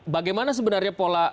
bagaimana sebenarnya pola